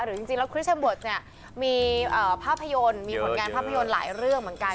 จริงแล้วคริสัมเบิร์ตเนี่ยมีภาพยนตร์มีผลงานภาพยนตร์หลายเรื่องเหมือนกัน